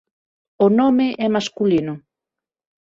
O nome é masculino.